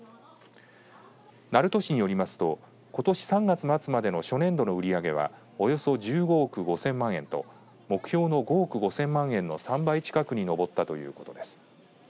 鳴門市によりますとことし３月末までの初年度の売り上げはおよそ１５億５０００万円と目標の５億５０００万円の３倍近くに上ったということです。